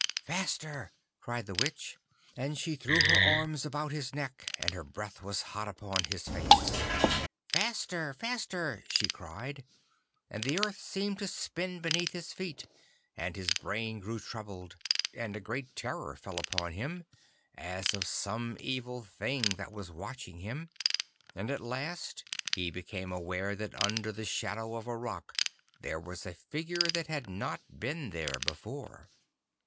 'Faster,' cried the Witch, and she threw her arms about his neck, and her breath was hot upon his face. 'Faster, faster!' she cried, and the earth seemed to spin beneath his feet, and his brain grew troubled, and a great terror fell on him, as of some evil thing that was watching him, and at last he became aware that under the shadow of a rock there was a figure that had not been there before.